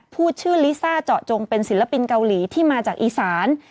พูดชื่อลิซ่าเจาะจงเป็นศิลปินเกาหลีที่มาจากอีสาน